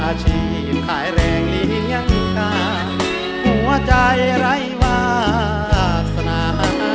อาชีพขายแรงเลี้ยงค่าหัวใจไร้วาสนา